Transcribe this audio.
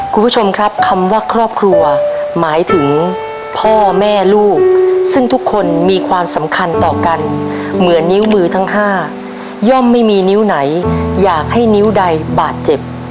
คุณผู้ชมครับคำว่าครอบครัวหมายถึงพ่อแม่ลูกซึ่งทุกคนมีความสำคัญต่อกันเหมือนนิ้วมือทั้ง๕ย่อมไม่มีนิ้วไหนอยากให้นิ้วใดบาดเจ็บ